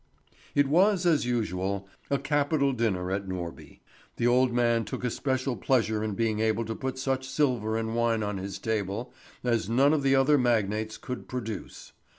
It was, as usual, a capital dinner at Norby. The old man took a special pleasure in being able to put such silver and wine on his table as none of the other magnates could produce.